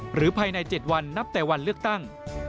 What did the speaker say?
ภายใน๗วันนับแต่วันเลือกตั้ง